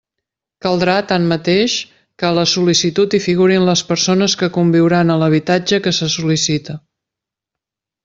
Caldrà, tanmateix, que a la sol·licitud hi figurin les persones que conviuran a l'habitatge que se sol·licita.